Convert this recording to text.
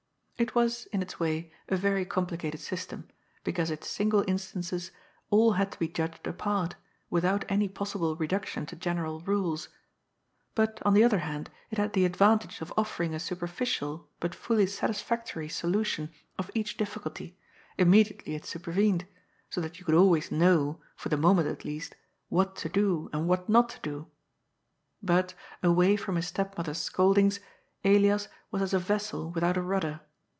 It was, in its way, a very complicated system, because its single instances all had to be judged apart, without any possible reduction to general rules ; but, on the other hand, it had the advantage of offering a superficial but fully satisfactory solution of each difficulty, immediately it supervened, so that you could always know, for the moment at least, what to do and what not to do. But, away from his stepmother's scoldings, Elias was as a vessel with out a rudder.